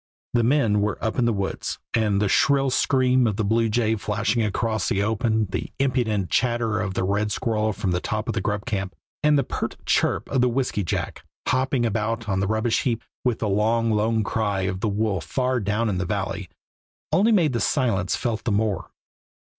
The men were up in the woods, and the shrill scream of the bluejay flashing across the open, the impudent chatter of the red squirrel from the top of the grub camp, and the pert chirp of the whisky jack, hopping about on the rubbish heap, with the long, lone cry of the wolf far down the valley, only made the silence felt the more.